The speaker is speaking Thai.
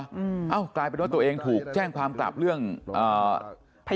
เอ้ากลายเป็นว่าตัวเองถูกแจ้งความกลับเรื่องอ่า